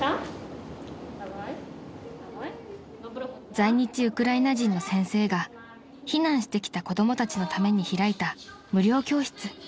［在日ウクライナ人の先生が避難してきた子供たちのために開いた無料教室］